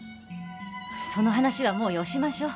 その話はもうよしましょう。